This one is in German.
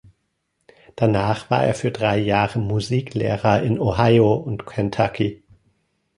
Danach war er für drei Jahre Musiklehrer in Ohio und Kentucky.